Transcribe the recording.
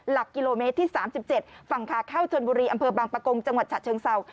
หลักกิโลเมตรที่๓๗ฝั่งขาเข้าชนบุรีอำเภอบางปะกงจังหวัดฉะเชิงเศร้า